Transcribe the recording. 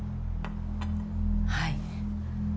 はい。